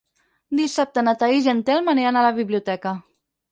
Dissabte na Thaís i en Telm aniran a la biblioteca.